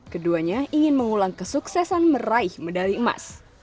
keduanya ingin mengulang kesuksesan meraih medali emas